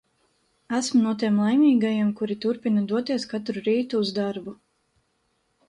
Esmu no tiem laimīgajiem, kuri turpina doties katru rītu uz darbu.